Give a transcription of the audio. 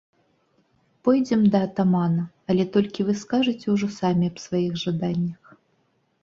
Пойдзем да атамана, але толькі вы скажаце ўжо самі аб сваіх жаданнях.